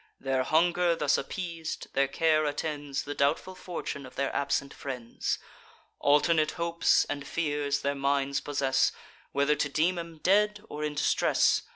Their hunger thus appeas'd, their care attends The doubtful fortune of their absent friends: Alternate hopes and fears their minds possess, Whether to deem 'em dead, or in distress.